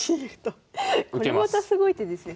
これまたすごい手ですね。